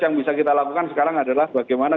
yang bisa kita lakukan sekarang adalah bagaimana